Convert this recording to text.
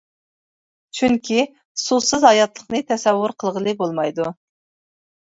چۈنكى، سۇسىز ھاياتلىقنى تەسەۋۋۇر قىلغىلى بولمايدۇ.